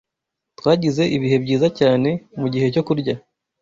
Twagize ibihe byiza cyane mugihe cyo kurya.